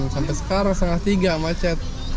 sampai sekarang setengah tiga macet